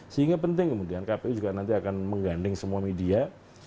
sehingga penting kemudian kpu juga nanti akan menggandeng semua media